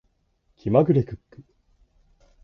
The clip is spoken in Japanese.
気まぐれクック